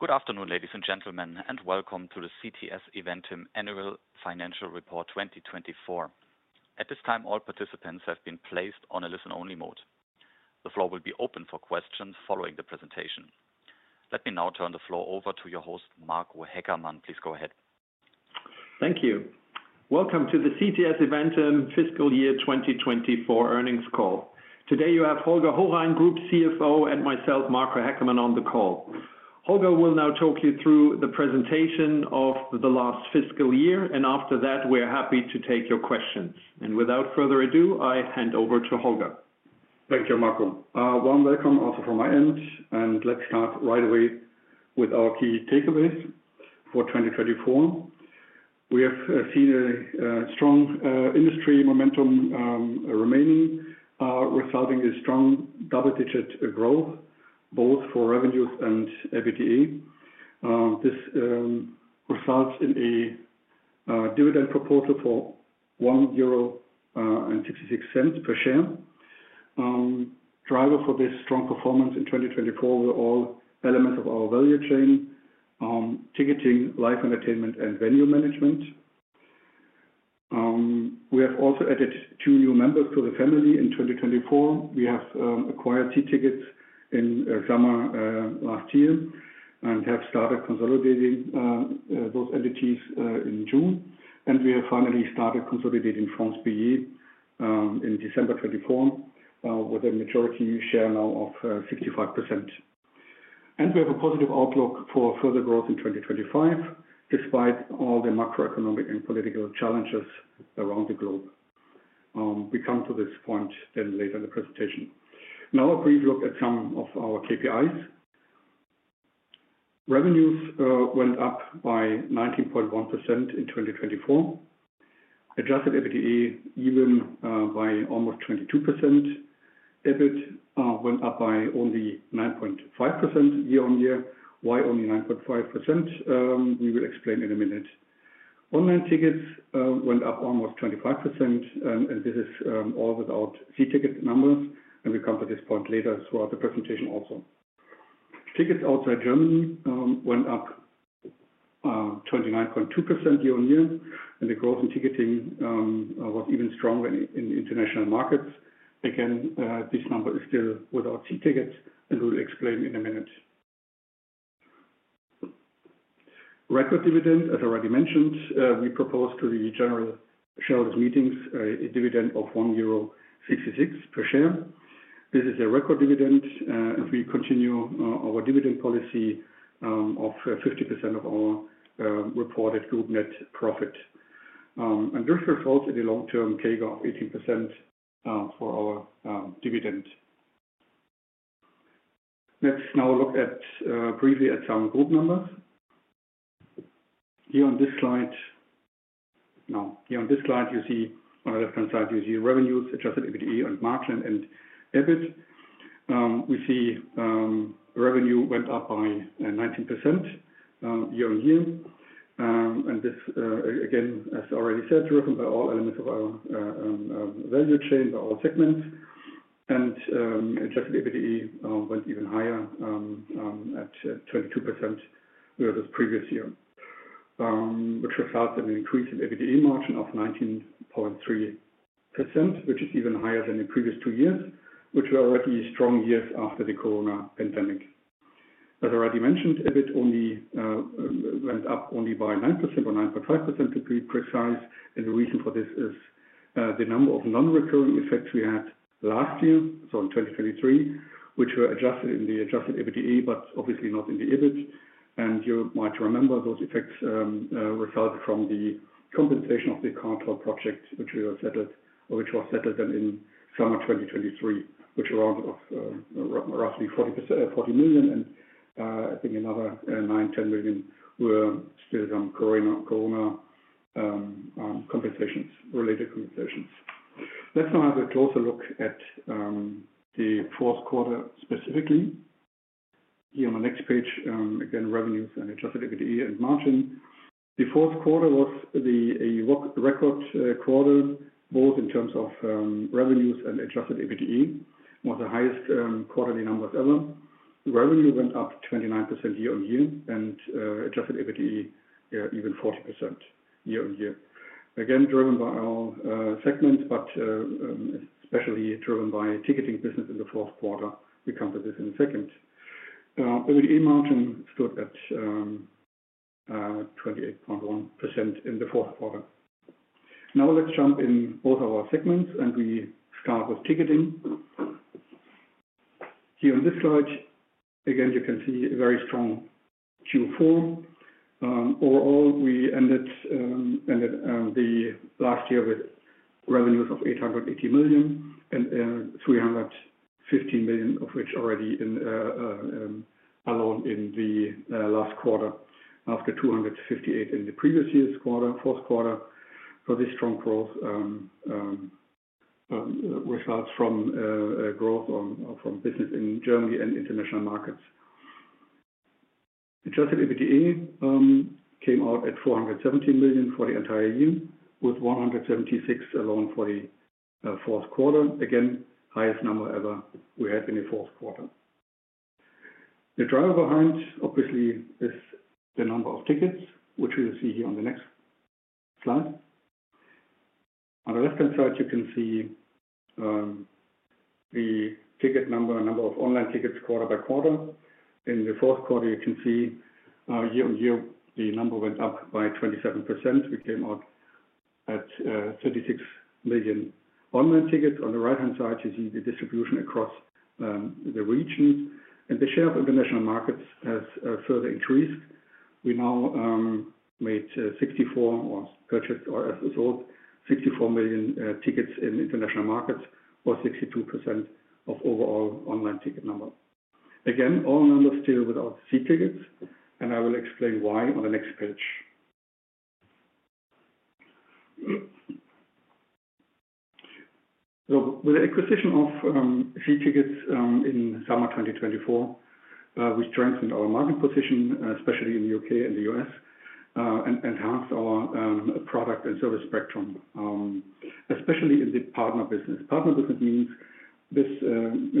Good afternoon, ladies and gentlemen, and welcome to the CTS Eventim annual financial report 2024. At this time, all participants have been placed on a listen-only mode. The floor will be open for questions following the presentation. Let me now turn the floor over to your host, Marco Haeckermann. Please go ahead. Thank you. Welcome to the CTS Eventim fiscal year 2024 earnings call. Today you have Holger Hohrein, Group CFO, and myself, Marco Haeckermann, on the call. Holger will now talk you through the presentation of the last fiscal year, and after that, we're happy to take your questions. Without further ado, I hand over to Holger. Thank you, Marco. One welcome also from my end, and let's start right away with our key takeaways for 2024. We have seen a strong industry momentum remaining, resulting in strong double-digit growth, both for revenues and EBITDA. This results in a dividend proposal for 1.66 euro per share. Drivers for this strong performance in 2024 were all elements of our value chain: ticketing, live entertainment, and venue management. We have also added two new members to the family in 2024. We have acquired See Tickets in summer last year and have started consolidating those entities in June. We have finally started consolidating France Billet in December 2024, with a majority share now of 65%. We have a positive outlook for further growth in 2025, despite all the macroeconomic and political challenges around the globe. We come to this point then later in the presentation. Now, a brief look at some of our KPIs. Revenues went up by 19.1% in 2024, adjusted EBITDA even by almost 22%. EBIT went up by only 9.5% year-on-year. Why only 9.5%? We will explain in a minute. Online tickets went up almost 25%, and this is all without See Tickets numbers, and we come to this point later throughout the presentation also. Tickets outside Germany went up 29.2% year-on-year, and the growth in ticketing was even stronger in international markets. Again, this number is still without See Tickets, and we'll explain in a minute. Record dividend, as already mentioned, we proposed to the general shareholders' meetings a dividend of 1.66 euro per share. This is a record dividend, and we continue our dividend policy of 50% of our reported group net profit. This results in a long-term CAGR of 18% for our dividend. Let's now look briefly at some group numbers. Here on this slide, you see on the left-hand side, you see revenues, adjusted EBITDA, and margin, and EBIT. We see revenue went up by 19% year-on-year. This, again, as already said, driven by all elements of our value chain, by all segments. Adjusted EBITDA went even higher at 22% versus previous year, which resulted in an increase in EBITDA margin of 19.3%, which is even higher than in previous two years, which were already strong years after the corona pandemic. As already mentioned, EBIT only went up only by 9% or 9.5% to be precise. The reason for this is the number of non-recurring effects we had last year, so in 2023, which were adjusted in the adjusted EBITDA, but obviously not in the EBIT. You might remember those effects resulted from the compensation of the car toll project, which was settled then in summer 2023, which rounded off roughly 40 million. I think another 9 million-10 million were still some corona-related compensations. Let's now have a closer look at the fourth quarter specifically. Here on the next page, again, revenues and adjusted EBITDA and margin. The fourth quarter was a record quarter, both in terms of revenues and adjusted EBITDA, was the highest quarterly numbers ever. Revenue went up 29% year-on-year, and adjusted EBITDA even 40% year-on-year. Again, driven by our segments, but especially driven by ticketing business in the fourth quarter. We come to this in a second. EBITDA margin stood at 28.1% in the fourth quarter. Now let's jump in both our segments, and we start with ticketing. Here on this slide, again, you can see a very strong Q4. Overall, we ended the last year with revenues of 880 million, and 315 million of which already in alone in the last quarter, after 258 million in the previous year's quarter, fourth quarter. This strong growth results from growth from business in Germany and international markets. Adjusted EBITDA came out at 470 million for the entire year, with 176 million alone for the fourth quarter. Again, highest number ever we had in the fourth quarter. The driver behind, obviously, is the number of tickets, which we'll see here on the next slide. On the left-hand side, you can see the ticket number, number of online tickets quarter by quarter. In the fourth quarter, you can see year-on-year, the number went up by 27%. We came out at 36 million online tickets. On the right-hand side, you see the distribution across the region. The share of international markets has further increased. We now made 64 or purchased or sold 64 million tickets in international markets, or 62% of overall online ticket number. Again, all numbers still without See Tickets, and I will explain why on the next page. With the acquisition of See Tickets in summer 2024, we strengthened our market position, especially in the U.K. and the U.S., and enhanced our product and service spectrum, especially in the partner business. Partner business means this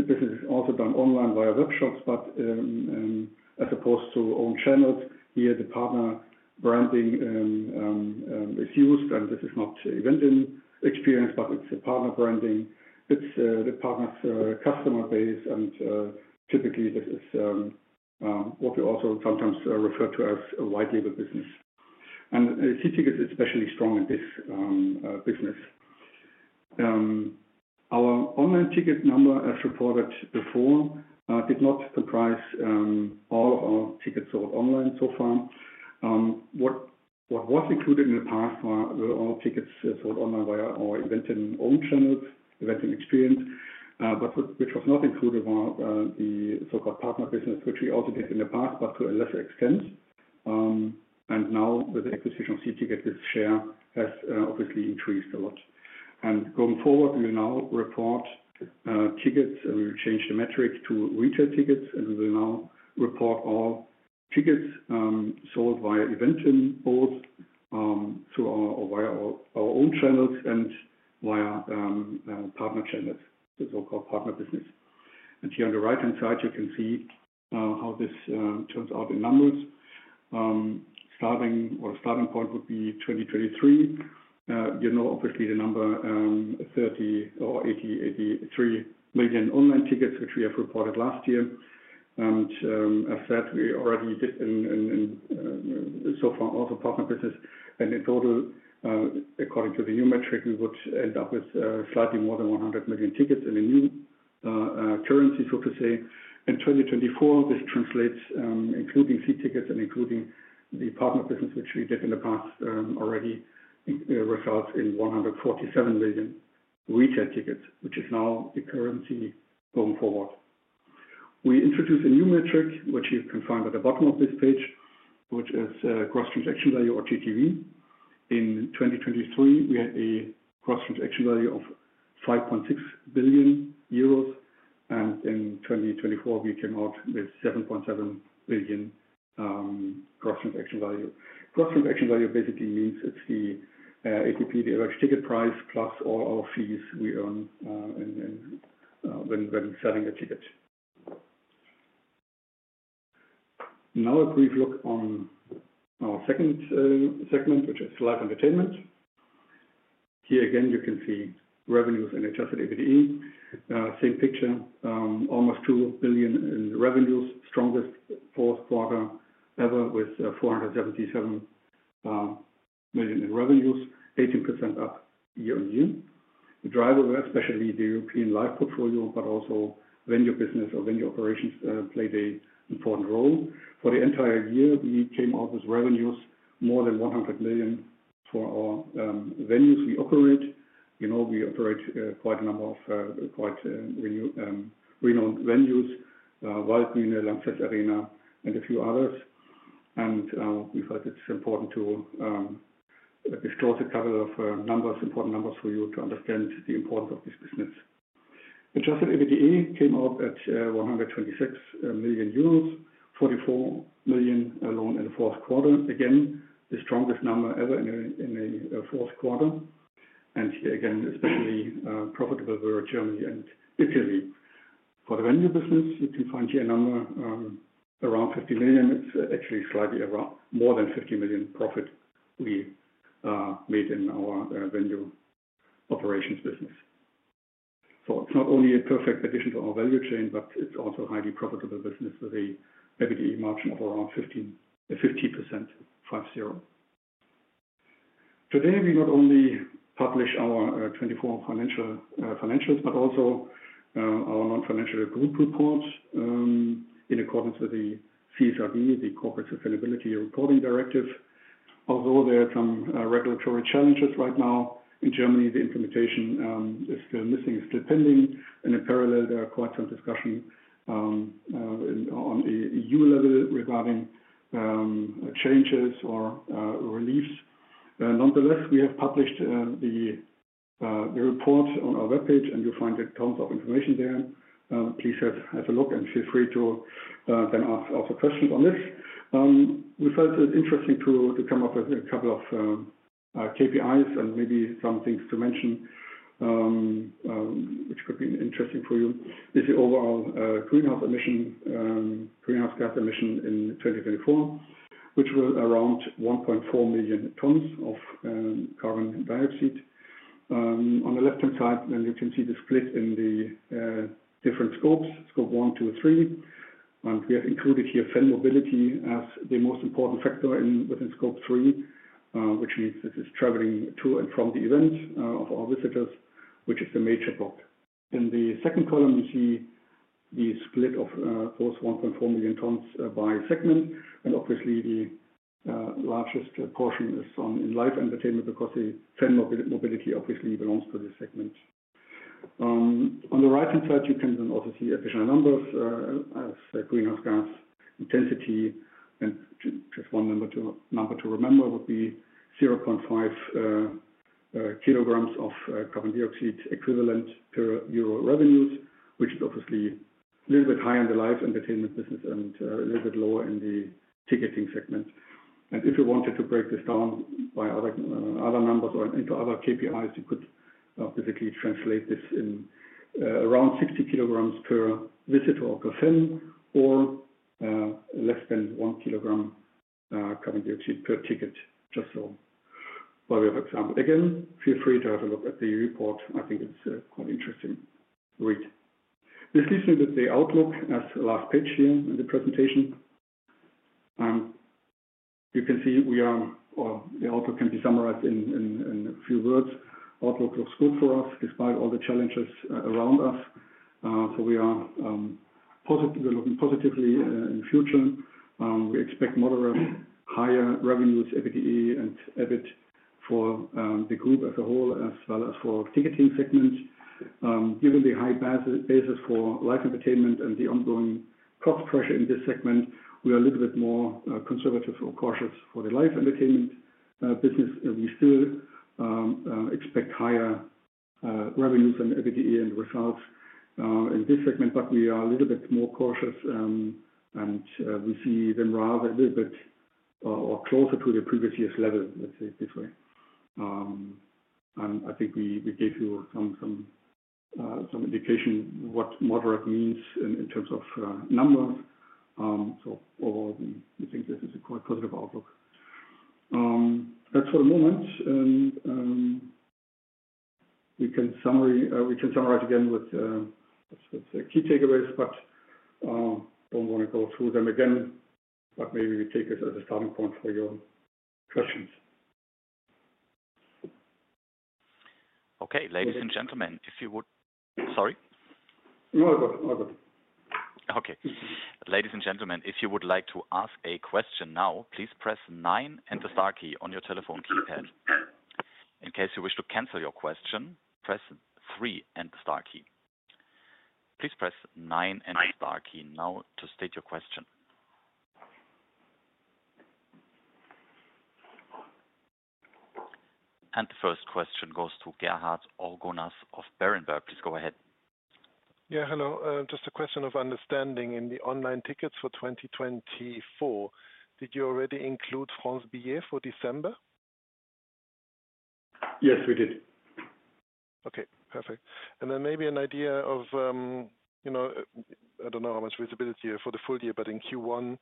business is also done online via webshops, but as opposed to own channels, here the partner branding is used. This is not event experience, but it is a partner branding. It is the partner's customer base, and typically this is what we also sometimes refer to as a white label business. See Tickets are especially strong in this business. Our online ticket number, as reported before, did not comprise all of our tickets sold online so far. What was included in the past were all tickets sold online via our Eventim and own channels, Eventim and experience, but what was not included were the so-called partner business, which we also did in the past, but to a lesser extent. Now, with the acquisition of See Tickets, this share has obviously increased a lot. Going forward, we will now report tickets, and we will change the metric to retail tickets, and we will now report all tickets sold via Eventim and both through our own channels and via partner channels, the so-called partner business. Here on the right-hand side, you can see how this turns out in numbers. Starting point would be 2023. You know, obviously, the number 30 millionor 83 million online tickets, which we have reported last year. As said, we already did so far also partner business. In total, according to the new metric, we would end up with slightly more than 100 million tickets in a new currency, so to say. In 2024, this translates, including See Tickets and including the partner business, which we did in the past already, results in 147 million retail tickets, which is now the currency going forward. We introduced a new metric, which you can find at the bottom of this page, which is gross transaction value or GTV. In 2023, we had a gross transaction value of 5.6 billion euros, and in 2024, we came out with 7.7 billion gross transaction value. Gross transaction value basically means it's the ATP, the average ticket price, plus all our fees we earn when selling a ticket. Now, a brief look on our second segment, which is live entertainment. Here again, you can see revenues and adjusted EBITDA. Same picture, almost 2 billion in revenues, strongest fourth quarter ever with 477 million in revenues, 18% up year-on-year. The driver were especially the European live portfolio, but also venue business or venue operations played an important role. For the entire year, we came out with revenues more than 100 million for our venues we operate. We operate quite a number of quite renowned venues, Waldbühne, Lanxess Arena, and a few others. We felt it's important to disclose a couple of important numbers for you to understand the importance of this business. Adjusted EBITDA came out at 126 million euros, 44 million alone in the fourth quarter. Again, the strongest number ever in a fourth quarter. Here again, especially profitable were Germany and Italy. For the venue business, you can find here a number around 50 million. It is actually slightly more than 50 million profit we made in our venue operations business. It is not only a perfect addition to our value chain, but it is also a highly profitable business with an EBITDA margin of around 15%. Today, we not only publish our 2024 financials, but also our non-financial group reports in accordance with the CSRD, the Corporate Sustainability Reporting Directive. Although there are some regulatory challenges right now in Germany, the implementation is still missing, still pending. In parallel, there are quite some discussions on the EU level regarding changes or reliefs. Nonetheless, we have published the report on our webpage, and you'll find tons of information there. Please have a look and feel free to then ask also questions on this. We felt it interesting to come up with a couple of KPIs and maybe some things to mention, which could be interesting for you. This is overall greenhouse gas emission in 2024, which was around 1.4 million tons of carbon dioxide. On the left-hand side, you can see the split in the different scopes, scope 1, 2, 3. We have included here fan mobility as the most important factor within scope 3, which means this is traveling to and from the event of our visitors, which is the major block. In the second column, you see the split of those 1.4 million tons by segment. Obviously, the largest portion is in live entertainment because the fan mobility obviously belongs to this segment. On the right-hand side, you can then also see additional numbers as greenhouse gas intensity. Just one number to remember would be 0.5 kg of carbon dioxide equivalent per EUR 1 of revenues, which is obviously a little bit higher in the live entertainment business and a little bit lower in the ticketing segment. If you wanted to break this down by other numbers or into other KPIs, you could physically translate this in around 60 kg per visitor or per fan, or less than 1 kg carbon dioxide per ticket, just so for example. Again, feel free to have a look at the report. I think it's quite interesting to read. This leads me with the outlook as the last page here in the presentation. You can see we are or the outlook can be summarized in a few words. Outlook looks good for us despite all the challenges around us. We are looking positively in the future. We expect moderate higher revenues, EBITDA and EBIT for the group as a whole, as well as for ticketing segments. Given the high basis for live entertainment and the ongoing cost pressure in this segment, we are a little bit more conservative or cautious for the live entertainment business. We still expect higher revenues and EBITDA and results in this segment, but we are a little bit more cautious. We see them rather a little bit or closer to the previous year's level, let's say it this way. I think we gave you some indication of what moderate means in terms of numbers. Overall, we think this is a quite positive outlook. That's for the moment. We can summarize again with key takeaways, but do not want to go through them again. Maybe we take this as a starting point for your questions. Okay. Ladies and gentlemen, if you would—sorry. No, I'm good. I'm good. Okay. Ladies and gentlemen, if you would like to ask a question now, please press nine and the star key on your telephone keypad. In case you wish to cancel your question, press three and the star key. Please press nine and the star key now to state your question. The first question goes to Gerhard Orgonas of Berenberg. Please go ahead. Yeah. Hello. Just a question of understanding. In the online tickets for 2024, did you already include France Billet for December? Yes, we did. Okay. Perfect. Maybe an idea of—I do not know how much visibility for the full year, but in Q1,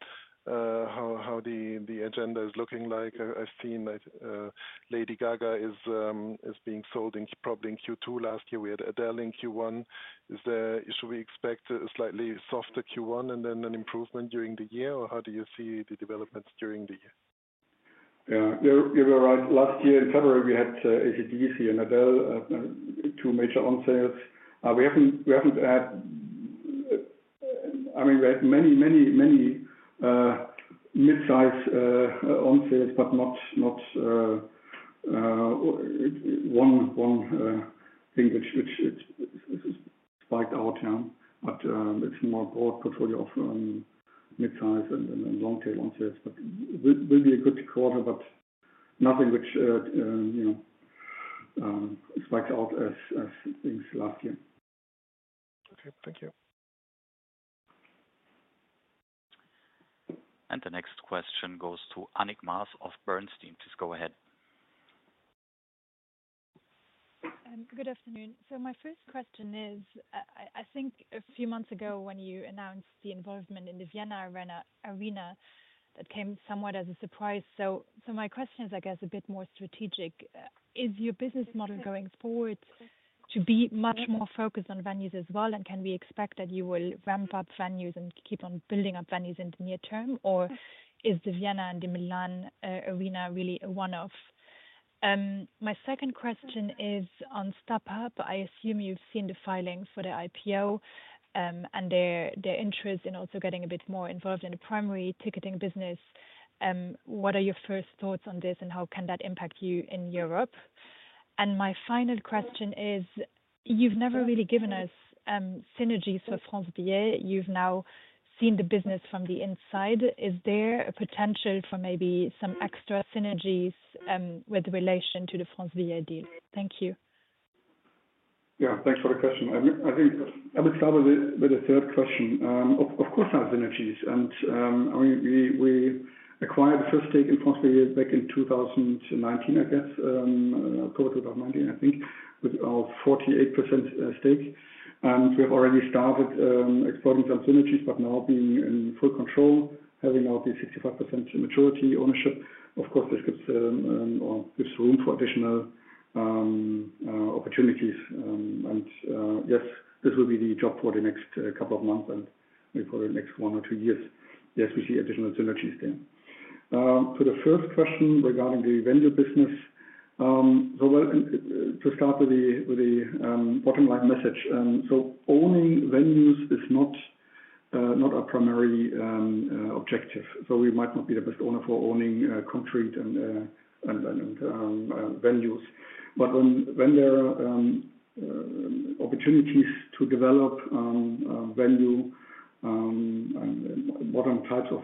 how the agenda is looking like. I have seen Lady Gaga is being sold probably in Q2 last year. We had Adele in Q1. Should we expect a slightly softer Q1 and then an improvement during the year? How do you see the developments during the year? Yeah. You are right. Last year in February, we had AC/DC and Adele, two major on-sales. We have not had—I mean, we had many, many, many mid-size on-sales, but not one thing which spiked out. It is a more broad portfolio of mid-size and long-tail on-sales. It will be a good quarter, but nothing which spikes out as things last year. Okay. Thank you. The next question goes to Annick Maas of Bernstein. Please go ahead. Good afternoon. My first question is, I think a few months ago when you announced the involvement in the Vienna Arena, that came somewhat as a surprise. My question is, I guess, a bit more strategic. Is your business model going forward to be much more focused on venues as well? Can we expect that you will ramp up venues and keep on building up venues in the near term? Or is the Vienna and the Milan Arena really one-off? My second question is on StubHub. I assume you've seen the filing for the IPO and their interest in also getting a bit more involved in the primary ticketing business. What are your first thoughts on this, and how can that impact you in Europe? My final question is, you've never really given us synergies for France Billet. You've now seen the business from the inside. Is there a potential for maybe some extra synergies with relation to the France Billet deal? Thank you. Yeah. Thanks for the question. I think I would start with the third question. Of course, there are synergies. And we acquired the first stake in France Billet back in 2019, I guess, October 2019, I think, with our 48% stake. And we have already started exploring some synergies, but now being in full control, having now the 65% majority ownership, of course, this gives room for additional opportunities. Yes, this will be the job for the next couple of months and maybe for the next one or two years. Yes, we see additional synergies there. For the first question regarding the venue business, to start with the bottom-line message, owning venues is not our primary objective. We might not be the best owner for owning concrete and venues. When there are opportunities to develop venue, modern types of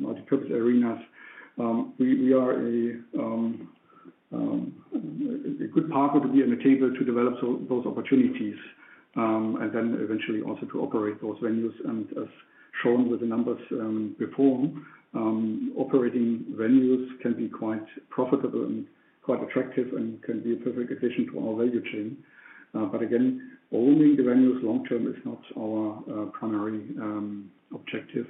multi-purpose arenas, we are a good partner to be on the table to develop those opportunities and then eventually also to operate those venues. As shown with the numbers before, operating venues can be quite profitable and quite attractive and can be a perfect addition to our value chain. Owning the venues long-term is not our primary objective.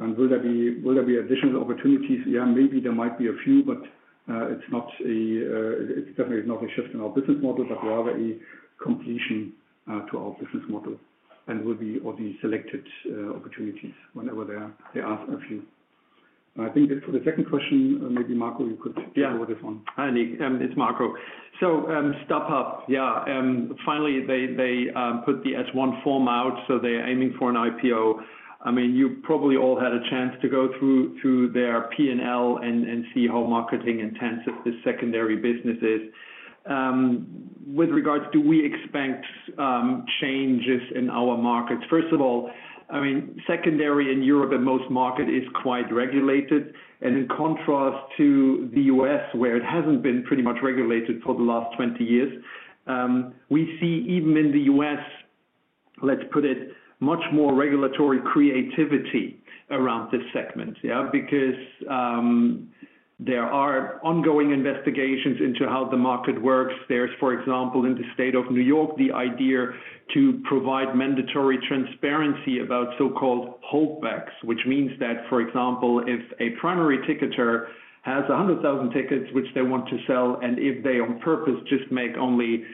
Will there be additional opportunities? Yeah, maybe there might be a few, but it is definitely not a shift in our business model, but rather a completion to our business model. It will be all the selected opportunities whenever there are a few. I think for the second question, maybe Marco, you could go with this one. Hi, Annick. It's Marco. StubHub, yeah. Finally, they put the S1 form out, so they're aiming for an IPO. I mean, you probably all had a chance to go through their P&L and see how marketing-intensive this secondary business is. With regards to, do we expect changes in our markets? First of all, I mean, secondary in Europe and most markets is quite regulated. In contrast to the U.S., where it hasn't been pretty much regulated for the last 20 years, we see even in the U.S., let's put it, much more regulatory creativity around this segment, yeah, because there are ongoing investigations into how the market works. There's, for example, in the state of New York, the idea to provide mandatory transparency about so-called holdbacks, which means that, for example, if a primary ticketer has 100,000 tickets which they want to sell, and if they on purpose just make only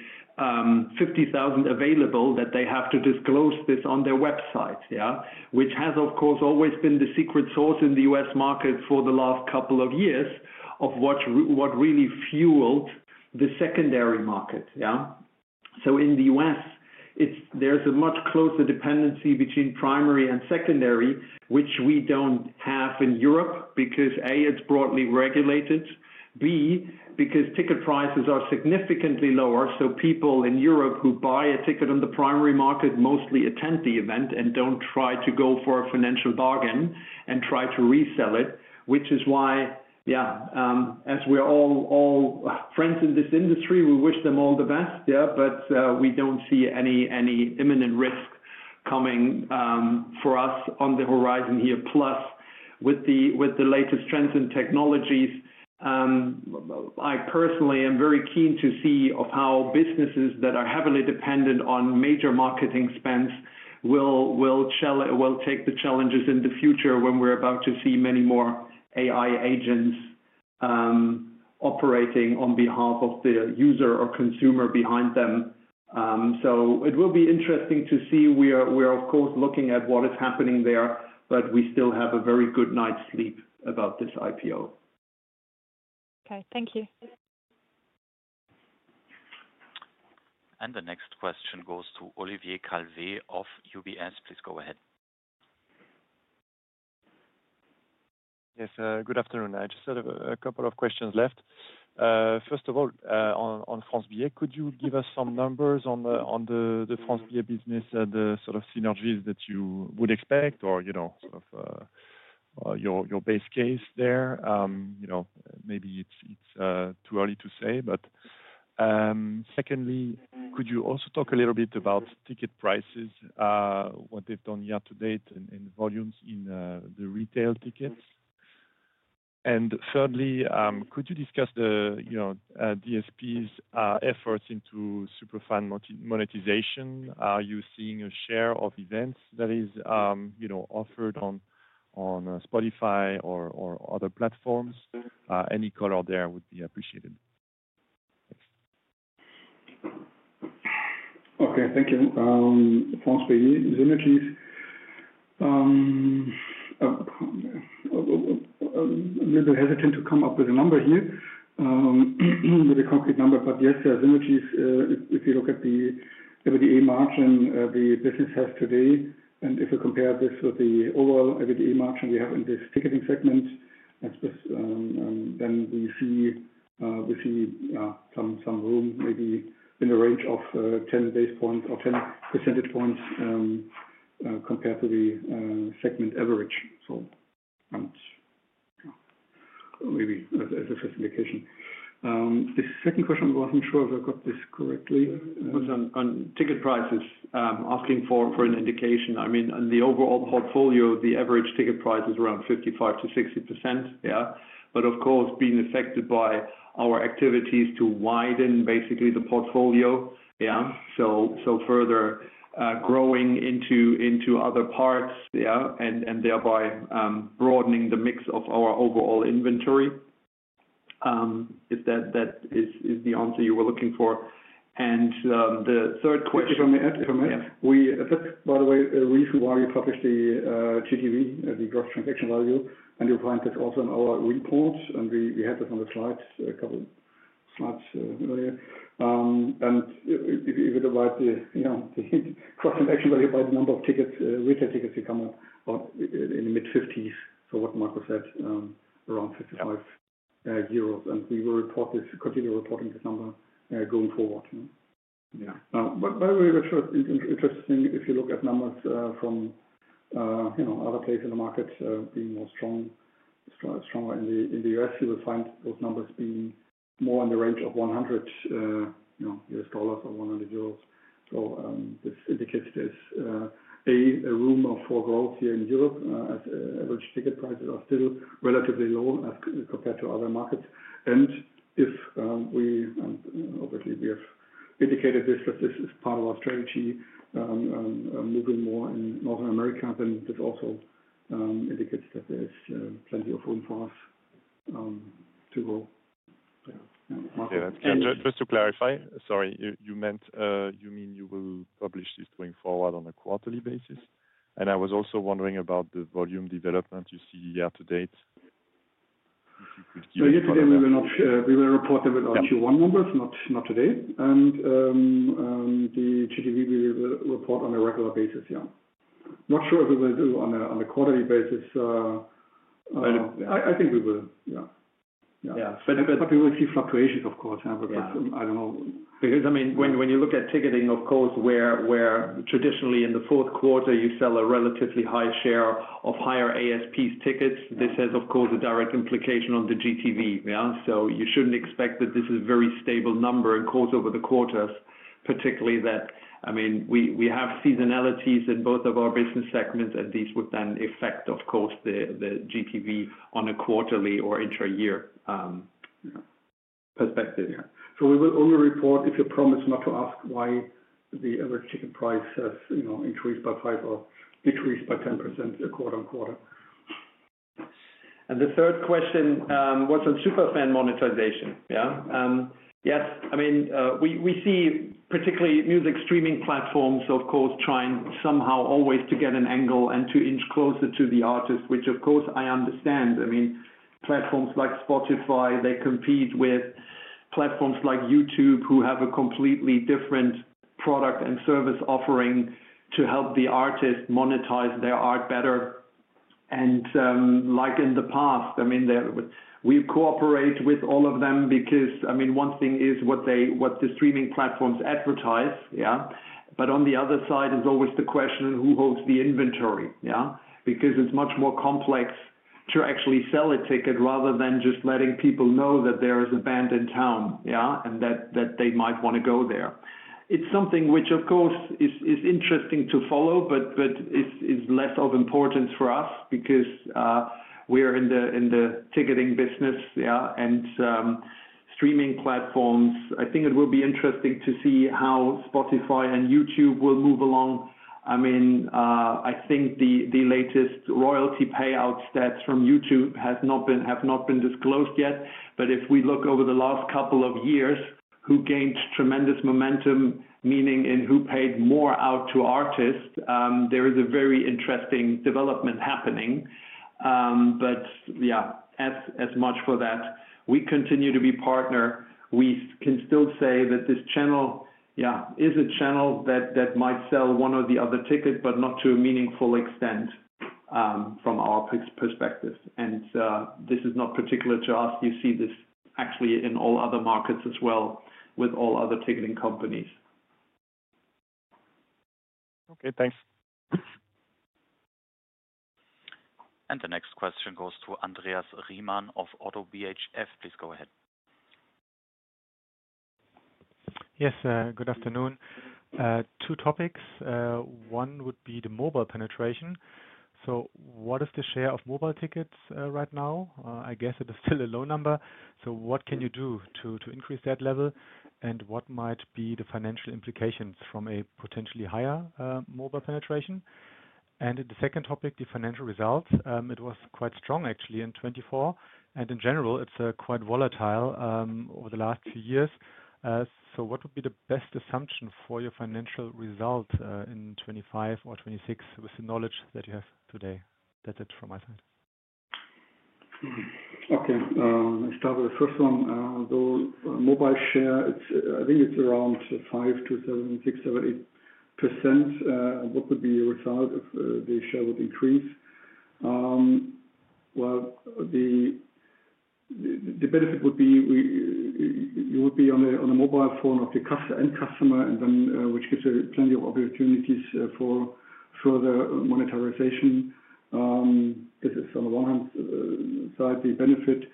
50,000 available, that they have to disclose this on their website, yeah, which has, of course, always been the secret sauce in the U.S. market for the last couple of years of what really fueled the secondary market, yeah. In the U.S., there's a much closer dependency between primary and secondary, which we don't have in Europe because, A, it's broadly regulated, B, because ticket prices are significantly lower. People in Europe who buy a ticket on the primary market mostly attend the event and do not try to go for a financial bargain and try to resell it, which is why, yeah, as we are all friends in this industry, we wish them all the best, yeah, but we do not see any imminent risk coming for us on the horizon here. Plus, with the latest trends and technologies, I personally am very keen to see how businesses that are heavily dependent on major marketing spends will take the challenges in the future when we are about to see many more AI agents operating on behalf of the user or consumer behind them. It will be interesting to see. We are, of course, looking at what is happening there, but we still have a very good night's sleep about this IPO. Okay. Thank you. The next question goes to Olivier Calvet of UBS. Please go ahead. Yes. Good afternoon. I just had a couple of questions left. First of all, on France Billet, could you give us some numbers on the France Billet business and the sort of synergies that you would expect or sort of your base case there? Maybe it is too early to say, but secondly, could you also talk a little bit about ticket prices, what they have done year to date in volumes in the retail tickets? And thirdly, could you discuss the DSP's efforts into superfan monetization? Are you seeing a share of events that is offered on Spotify or other platforms? Any color there would be appreciated. Okay. Thank you. France Billet, synergies. I am a little bit hesitant to come up with a number here, with a concrete number, but yes, there are synergies. If you look at the EBITDA margin the business has today, and if we compare this with the overall EBITDA margin we have in this ticketing segment, then we see some room maybe in the range of 10 basis points or 10 percentage points compared to the segment average. Maybe as a specification. The second question, I was not sure if I got this correctly. On ticket prices, asking for an indication. I mean, in the overall portfolio, the average ticket price is around 55-60, yeah. Of course, being affected by our activities to widen basically the portfolio, yeah, further growing into other parts, yeah, and thereby broadening the mix of our overall inventory, if that is the answer you were looking for. The third question. If I may, by the way, recently we published the GTV, the gross transaction value, and you'll find this also in our report. We had this on the slides, a couple of slides earlier. If you divide the gross transaction value by the number of tickets, retail tickets that come in the mid-50s, what Marco said, around 55 euros. We will continue reporting this number going forward. By the way, which was interesting, if you look at numbers from other places in the market being more strong in the US, you will find those numbers being more in the range of $100 or EUR 100. This indicates there is room for growth here in Europe as average ticket prices are still relatively low compared to other markets. If we obviously have indicated this as part of our strategy, moving more in Northern America, then this also indicates that there is plenty of room for us to grow. Yeah. Just to clarify, sorry, you mean you will publish this going forward on a quarterly basis? I was also wondering about the volume development you see year to date. If you could give a quick. Yet again, we will report them with our Q1 numbers, not today. The GTV, we will report on a regular basis, yeah. Not sure if we will do it on a quarterly basis. I think we will, yeah. Yeah. We will see fluctuations, of course, because I do not know. Because, I mean, when you look at ticketing, of course, where traditionally in the fourth quarter, you sell a relatively high share of higher ASPs tickets, this has, of course, a direct implication on the GTV, yeah? You should not expect that this is a very stable number and course over the quarters, particularly that, I mean, we have seasonalities in both of our business segments, and these would then affect, of course, the GTV on a quarterly or inter-year perspective. You will only report if you promise not to ask why the average ticket price has increased by 5% or decreased by 10% quarter-on-quarter. The third question was on superfan monetization, yeah? Yes. I mean, we see particularly music streaming platforms, of course, trying somehow always to get an angle and to inch closer to the artist, which, of course, I understand. I mean, platforms like Spotify, they compete with platforms like YouTube who have a completely different product and service offering to help the artist monetize their art better. Like in the past, I mean, we cooperate with all of them because, I mean, one thing is what the streaming platforms advertise, yeah? On the other side is always the question of who holds the inventory, yeah? Because it's much more complex to actually sell a ticket rather than just letting people know that there is a band in town, yeah, and that they might want to go there. It's something which, of course, is interesting to follow, but is less of importance for us because we're in the ticketing business, yeah? Streaming platforms, I think it will be interesting to see how Spotify and YouTube will move along. I mean, I think the latest royalty payout stats from YouTube have not been disclosed yet, but if we look over the last couple of years who gained tremendous momentum, meaning in who paid more out to artists, there is a very interesting development happening. As much for that. We continue to be partner. We can still say that this channel, yeah, is a channel that might sell one or the other ticket, but not to a meaningful extent from our perspective. This is not particular to us. You see this actually in all other markets as well with all other ticketing companies. Okay. Thanks. The next question goes to Andreas Riemann of ODDO BHF. Please go ahead. Yes. Good afternoon. Two topics. One would be the mobile penetration. What is the share of mobile tickets right now? I guess it is still a low number. What can you do to increase that level? What might be the financial implications from a potentially higher mobile penetration? The second topic, the financial results. It was quite strong, actually, in 2024. In general, it is quite volatile over the last few years. What would be the best assumption for your financial result in 2025 or 2026 with the knowledge that you have today? That is it from my side. Okay. I start with the first one. Mobile share, I think it is around 5%-7%, 6%, 7%, 8%. What would be your result if the share would increase? The benefit would be you would be on a mobile phone of the end customer, which gives you plenty of opportunities for further monetization. This is on the one-hand side of the benefit.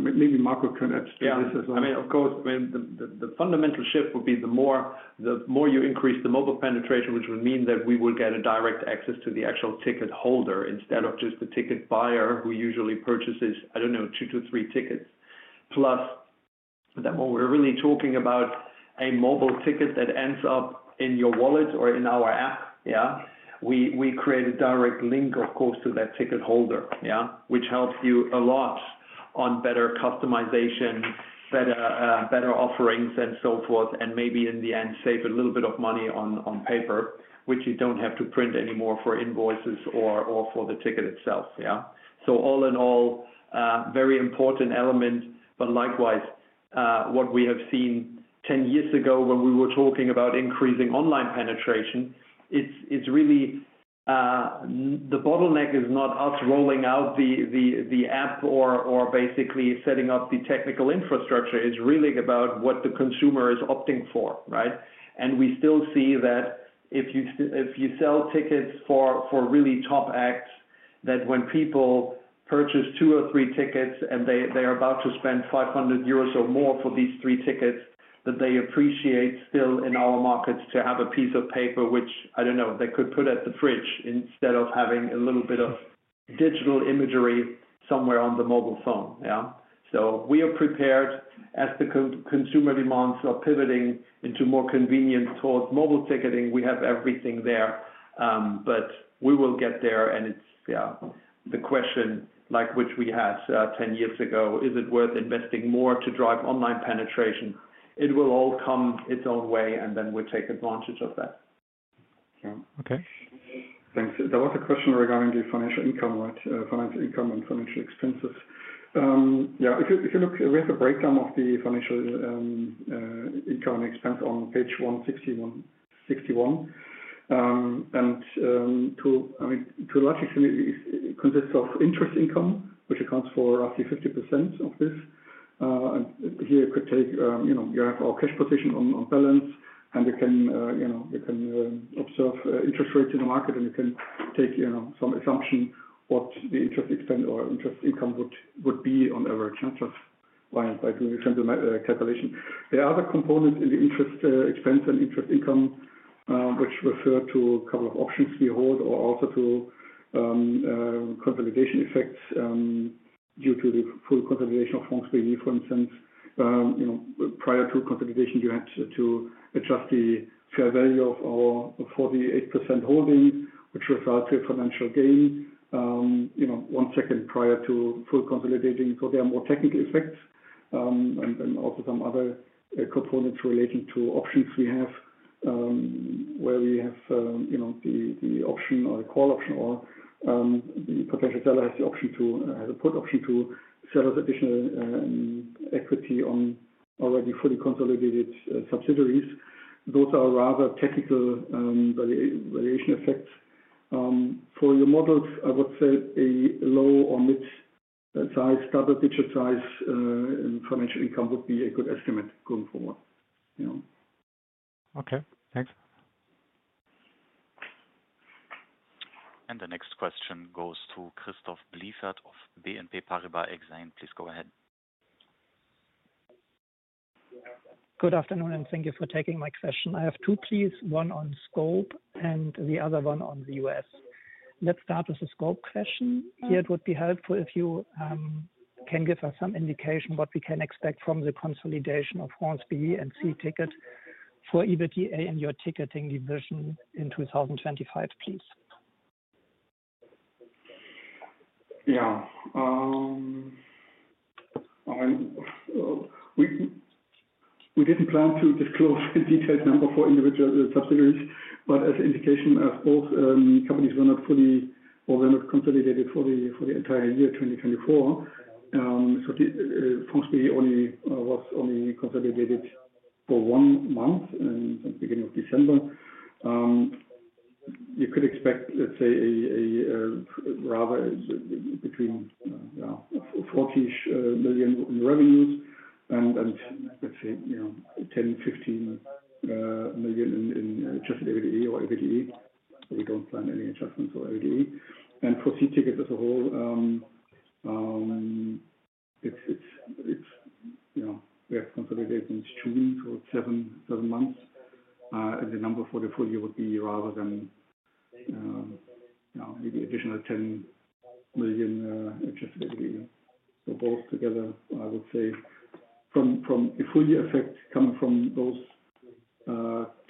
Maybe Marco can add to this as well. Yeah. I mean, of course, the fundamental shift would be the more you increase the mobile penetration, which would mean that we would get direct access to the actual ticket holder instead of just the ticket buyer who usually purchases, I don't know, two to three tickets. Plus, at that moment, we're really talking about a mobile ticket that ends up in your wallet or in our app, yeah? We create a direct link, of course, to that ticket holder, yeah, which helps you a lot on better customization, better offerings, and so forth, and maybe in the end, save a little bit of money on paper, which you don't have to print anymore for invoices or for the ticket itself, yeah? All in all, very important element. Likewise, what we have seen 10 years ago when we were talking about increasing online penetration, it's really the bottleneck is not us rolling out the app or basically setting up the technical infrastructure. It's really about what the consumer is opting for, right? We still see that if you sell tickets for really top acts, that when people purchase two or three tickets and they are about to spend 500 euros or more for these three tickets, that they appreciate still in our markets to have a piece of paper, which, I don't know, they could put at the fridge instead of having a little bit of digital imagery somewhere on the mobile phone, yeah? We are prepared as the consumer demands are pivoting into more convenience towards mobile ticketing. We have everything there, but we will get there. Yeah, the question like which we had 10 years ago, is it worth investing more to drive online penetration? It will all come its own way, and then we take advantage of that. Okay. Thanks. There was a question regarding the financial income, right? Financial income and financial expenses. Yeah. If you look, we have a breakdown of the financial income and expense on page 161. To a large extent, it consists of interest income, which accounts for roughly 50% of this. Here, you could take your cash position on balance, and you can observe interest rates in the market, and you can take some assumption what the interest expense or interest income would be on average, just by doing a simple calculation. There are other components in the interest expense and interest income, which refer to a couple of options we hold or also to consolidation effects due to the full consolidation of France Billet, for instance. Prior to consolidation, you had to adjust the fair value of our 48% holding, which results in financial gain one second prior to full consolidating. There are more technical effects and also some other components relating to options we have, where we have the option or the call option or the potential seller has the option to have a put option to sellers' additional equity on already fully consolidated subsidiaries. Those are rather technical valuation effects. For your models, I would say a low or mid-size, double-digit size financial income would be a good estimate going forward, yeah? Okay. Thanks. The next question goes to Christoph Blieffert of BNP Paribas Exane. Please go ahead. Good afternoon, and thank you for taking my question. I have two pleas, one on scope and the other one on the U.S. Let's start with the scope question. Here, it would be helpful if you can give us some indication of what we can expect from the consolidation of France Billet and See Tickets for EBITDA in your ticketing division in 2025, please. Yeah. I mean, we didn't plan to disclose a detailed number for individual subsidiaries, but as an indication, as both companies were not fully or were not consolidated for the entire year 2024. So France Billet was only consolidated for one month since the beginning of December. You could expect, let's say, rather between 40 million in revenues and, let's say, 10 million-15 million in just EBITDA or EBITDA. We don't plan any adjustments for EBITDA. For See Tickets as a whole, we have consolidated in June, so it is seven months. The number for the full year would be rather maybe additional 10 million adjusted EBITDA. Both together, I would say, from a full year effect coming from those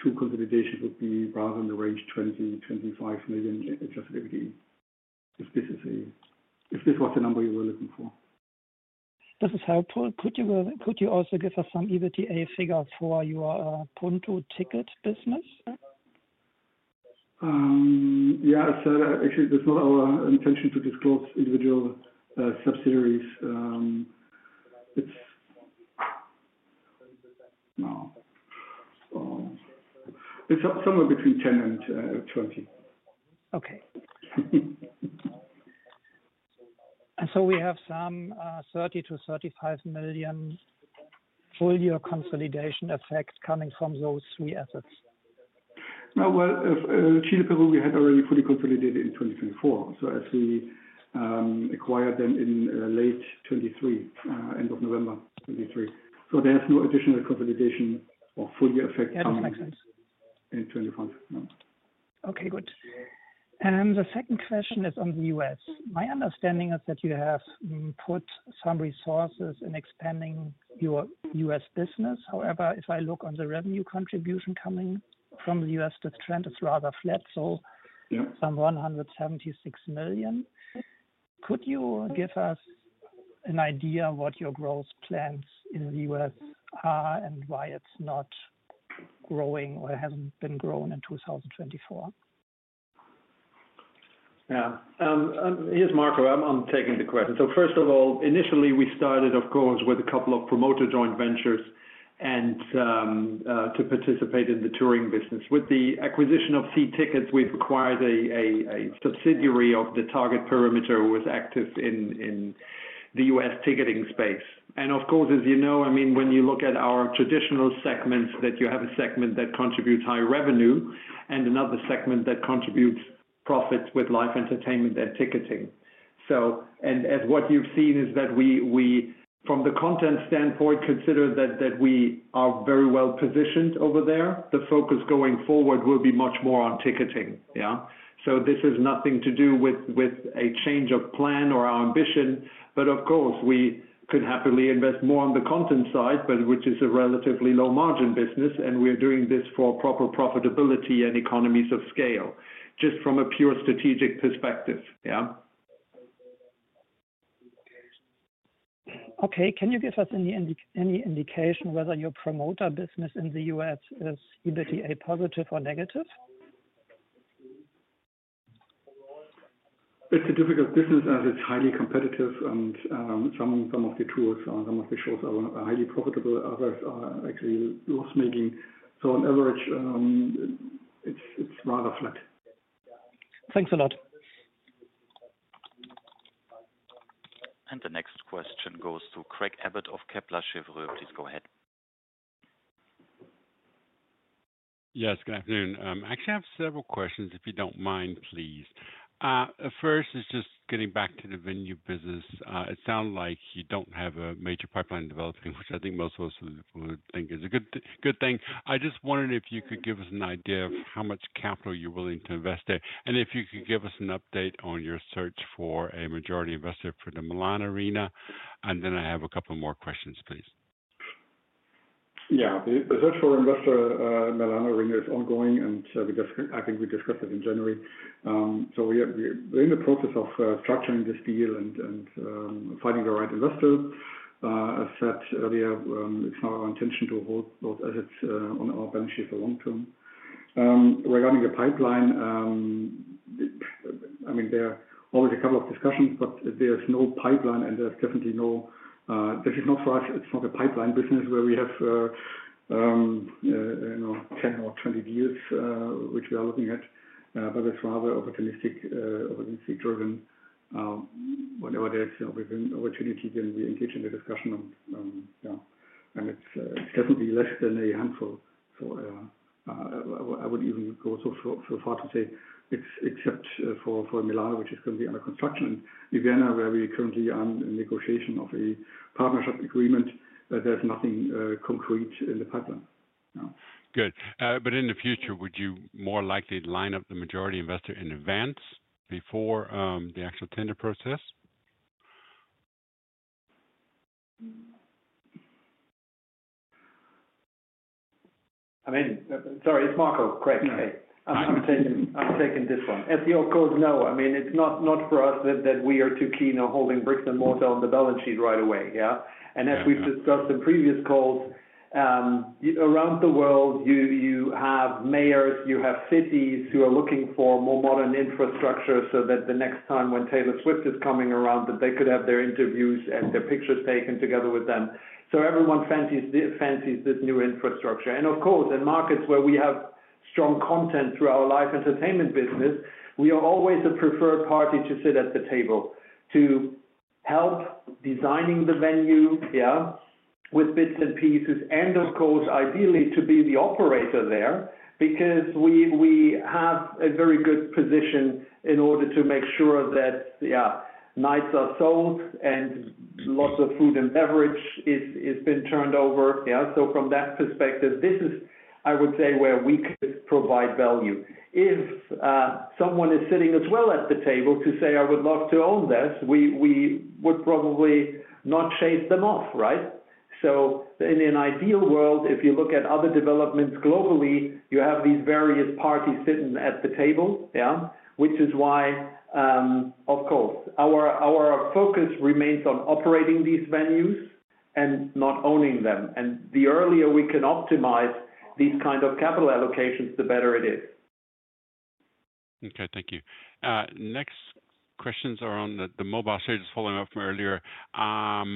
two consolidations would be rather in the range 20 million-25 million adjusted EBITDA if this was the number you were looking for. This is helpful. Could you also give us some EBITDA figure for your Punto Ticket business? Yeah. Actually, it is not our intention to disclose individual subsidiaries. It is somewhere between 10 million and 20 million. Okay. We have some 30 million-35 million full year consolidation effect coming from those three assets. Chile and Peru we had already fully consolidated in 2024, as we acquired them in late 2023, end of November 2023. There is no additional consolidation or full year effect coming in 2025. Okay. Good. The second question is on the U.S. My understanding is that you have put some resources in expanding your U.S. business. However, if I look on the revenue contribution coming from the U.S., the trend is rather flat, so some 176 million. Could you give us an idea of what your growth plans in the U.S. are and why it is not growing or has not been grown in 2024? Yeah. Here is Marco. I am taking the question. First of all, initially, we started, of course, with a couple of promoter joint ventures to participate in the touring business. With the acquisition of See Tickets, we have acquired a subsidiary of the target perimeter who is active in the U.S. ticketing space. Of course, as you know, I mean, when you look at our traditional segments, you have a segment that contributes high revenue and another segment that contributes profits with live entertainment and ticketing. As what you've seen is that we, from the content standpoint, consider that we are very well positioned over there. The focus going forward will be much more on ticketing, yeah? This has nothing to do with a change of plan or our ambition, but of course, we could happily invest more on the content side, which is a relatively low-margin business, and we are doing this for proper profitability and economies of scale just from a pure strategic perspective, yeah? Okay. Can you give us any indication whether your promoter business in the U.S. is EBITDA positive or negative? It's a difficult business as it's highly competitive, and some of the tours or some of the shows are highly profitable. Others are actually loss-making. On average, it's rather flat. Thanks a lot. The next question goes to Craig Abbott of Kepler Cheuvreux. Please go ahead. Yes. Good afternoon. Actually, I have several questions, if you don't mind, please. First, just getting back to the venue business, it sounds like you don't have a major pipeline developing, which I think most of us would think is a good thing. I just wondered if you could give us an idea of how much capital you're willing to invest there and if you could give us an update on your search for a majority investor for the Milan Arena. I have a couple more questions, please. Yeah. The search for investor Milan Arena is ongoing, and I think we discussed it in January. We are in the process of structuring this deal and finding the right investor. As said earlier, it is not our intention to hold those assets on our balance sheet for long term. Regarding the pipeline, I mean, there are always a couple of discussions, but there is no pipeline, and there is definitely no—this is not for us. It is not a pipeline business where we have 10 or 20 deals, which we are looking at, but it is rather opportunistic-driven. Whenever there is an opportunity, then we engage in the discussion. It is definitely less than a handful. I would even go so far to say, except for Milan, which is currently under construction, and Ljubljana, where we are currently in negotiation of a partnership agreement, there is nothing concrete in the pipeline. Good. In the future, would you more likely line up the majority investor in advance before the actual tender process? I mean, sorry, it's Marco, Craig. Okay. I'm taking this one. As your calls, no. I mean, it's not for us that we are too keen on holding bricks and mortar on the balance sheet right away, yeah? As we've discussed in previous calls, around the world, you have mayors, you have cities who are looking for more modern infrastructure so that the next time when Taylor Swift is coming around, that they could have their interviews and their pictures taken together with them. Everyone fancies this new infrastructure. Of course, in markets where we have strong content through our live entertainment business, we are always a preferred party to sit at the table to help designing the venue, yeah, with bits and pieces, and of course, ideally, to be the operator there because we have a very good position in order to make sure that, yeah, nights are sold and lots of food and beverage has been turned over, yeah? From that perspective, this is, I would say, where we could provide value. If someone is sitting as well at the table to say, "I would love to own this," we would probably not chase them off, right? In an ideal world, if you look at other developments globally, you have these various parties sitting at the table, yeah? Which is why, of course, our focus remains on operating these venues and not owning them. The earlier we can optimize these kinds of capital allocations, the better it is. Thank you. Next questions are on the mobile stage just following up from earlier. In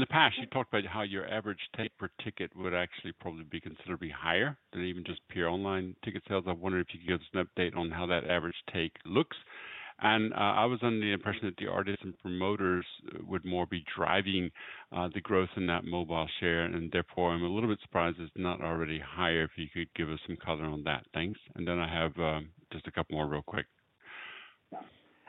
the past, you talked about how your average take per ticket would actually probably be considerably higher than even just pure online ticket sales. I wondered if you could give us an update on how that average take looks. I was under the impression that the artists and promoters would more be driving the growth in that mobile share. Therefore, I am a little bit surprised it is not already higher if you could give us some color on that. Thanks. I have just a couple more real quick.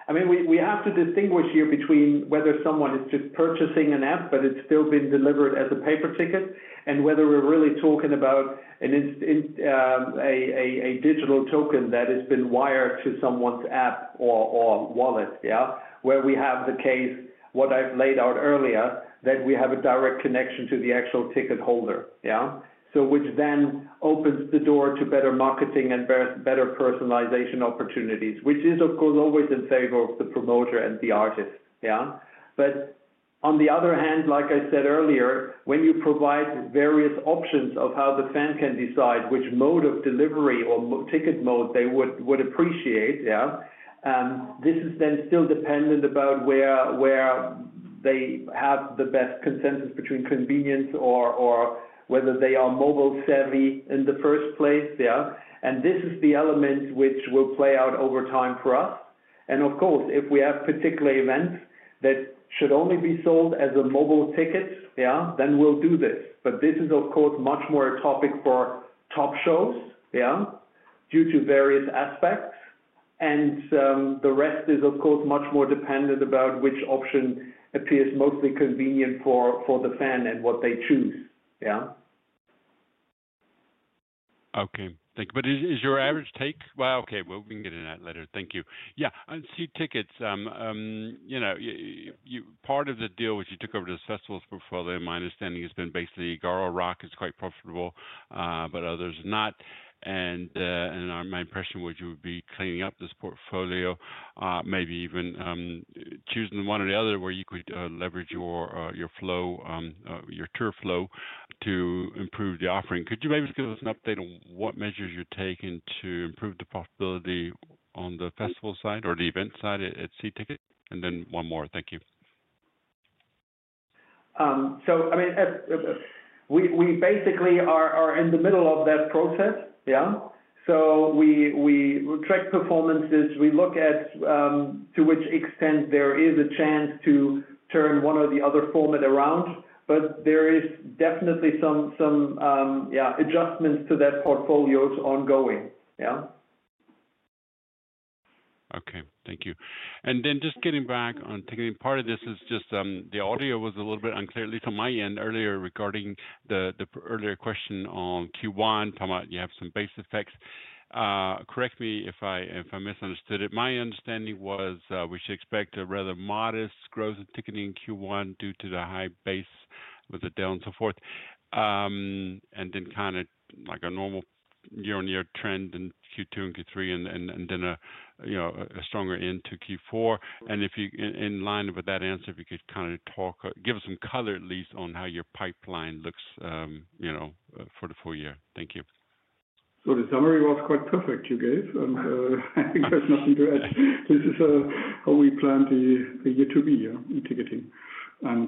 I mean, we have to distinguish here between whether someone is just purchasing an app, but it's still being delivered as a paper ticket, and whether we're really talking about a digital token that has been wired to someone's app or wallet, yeah? Where we have the case, what I've laid out earlier, that we have a direct connection to the actual ticket holder, yeah? Which then opens the door to better marketing and better personalization opportunities, which is, of course, always in favor of the promoter and the artist, yeah? On the other hand, like I said earlier, when you provide various options of how the fan can decide which mode of delivery or ticket mode they would appreciate, yeah? This is then still dependent about where they have the best consensus between convenience or whether they are mobile-savvy in the first place, yeah? This is the element which will play out over time for us. Of course, if we have particular events that should only be sold as a mobile ticket, yeah? We will do this. This is, of course, much more a topic for top shows, yeah? Due to various aspects. The rest is, of course, much more dependent on which option appears mostly convenient for the fan and what they choose, yeah? Okay. Thank you. Is your average take—okay. We can get into that later. Thank you. Yeah. On See Tickets, part of the deal which you took over this festival's portfolio, my understanding has been basically Garorock is quite profitable, but others are not. My impression would be you would be cleaning up this portfolio, maybe even choosing one or the other where you could leverage your flow, your tour flow to improve the offering. Could you maybe give us an update on what measures you're taking to improve the profitability on the festival side or the event side at See Tickets? One more. Thank you. I mean, we basically are in the middle of that process, yeah? We track performances. We look at to which extent there is a chance to turn one or the other format around, but there is definitely some adjustments to that portfolio ongoing, yeah? Thank you. Just getting back on taking part of this, the audio was a little bit unclear, at least on my end earlier regarding the earlier question on Q1. You have some base effects. Correct me if I misunderstood it. My understanding was we should expect a rather modest growth of ticketing in Q1 due to the high base with the down and so forth. Then kind of like a normal year-on-year trend in Q2 and Q3 and a stronger end to Q4. In line with that answer, if you could kind of talk, give us some color at least on how your pipeline looks for the full year. Thank you. The summary was quite perfect you gave. I think there is nothing to add. This is how we plan the year to be in ticketing.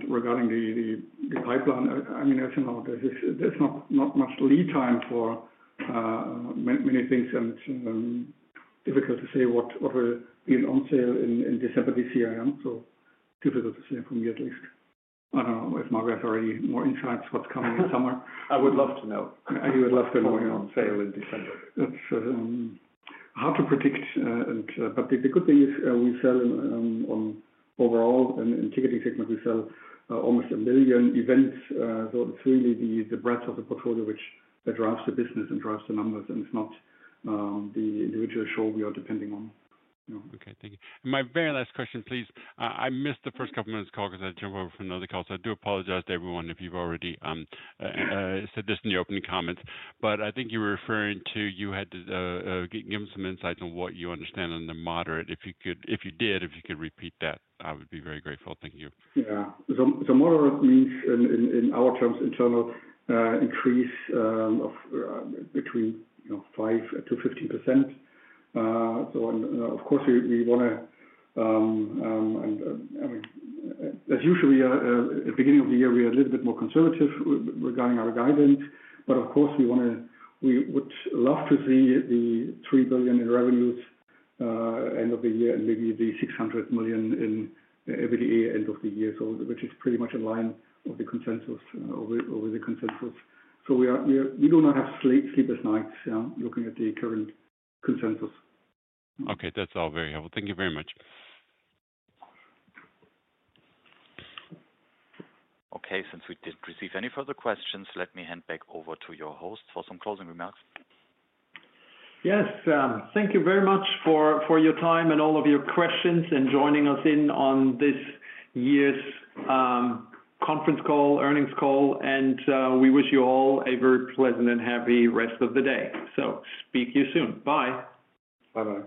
Regarding the pipeline, I mean, as you know, there is not much lead time for many things. Difficult to say what will be on sale in December this year, yeah? Difficult to say for me at least. I don't know if Marc has already more insights what's coming this summer. I would love to know. I would love to know what's on sale in December. It's hard to predict. The good thing is we sell overall in ticketing segment, we sell almost a million events. It's really the breadth of the portfolio which drives the business and drives the numbers, and it's not the individual show we are depending on. Okay. Thank you. My very last question, please. I missed the first couple of minutes of call because I had to jump over from another call. I do apologize to everyone if you've already said this in the opening comments. I think you were referring to you had to give them some insights on what you understand on the moderate. If you did, if you could repeat that, I would be very grateful. Thank you. Yeah. Moderate means in our terms internal increase of between 5%-15%. Of course, we want to—I mean, as usual, at the beginning of the year, we are a little bit more conservative regarding our guidance. Of course, we would love to see the 3 billion in revenues end of the year and maybe the 600 million in EBITDA end of the year, which is pretty much in line with the consensus, over the consensus. We do not have sleepless nights, yeah, looking at the current consensus. Okay. That's all very helpful. Thank you very much. Okay. Since we did not receive any further questions, let me hand back over to your host for some closing remarks. Yes. Thank you very much for your time and all of your questions and joining us in on this year's conference call, earnings call. We wish you all a very pleasant and happy rest of the day. Speak to you soon. Bye. Bye-bye.